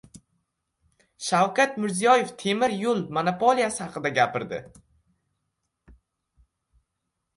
Shavkat Mirziyoev temir yo‘l monopoliyasi haqida gapirdi